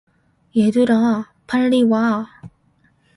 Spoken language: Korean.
얘들아, 빨리와